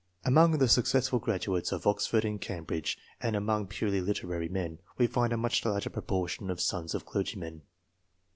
Among the successful graduates of Oxford and Cambridge, and among purely literary men, we find a much larger proportion of sons of clergymen.